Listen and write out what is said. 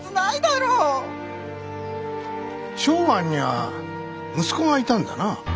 松庵にゃ息子がいたんだなぁ？